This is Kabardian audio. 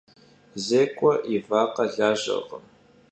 Zêk'ue yi vakhe lajerkhım.